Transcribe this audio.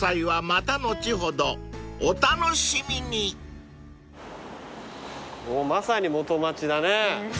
まさに元町だね。